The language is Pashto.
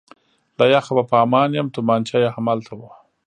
له یخه به په امان یم، تومانچه یې همالته.